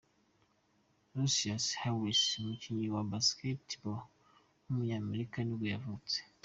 Lucious Harris, umukinnyi wa basketball w’umunyamerika nibwo yavutse.